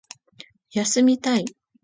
休みたい